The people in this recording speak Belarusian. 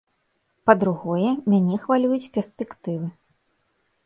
Па-другое, мяне хвалююць перспектывы.